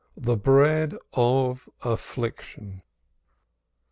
THE BREAD OF AFFLICTION.